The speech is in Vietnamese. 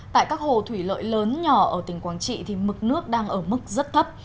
tại các hồ thủy lợi lớn nhỏ ở tỉnh quảng trị thì mực nước đang ở mức rất thấp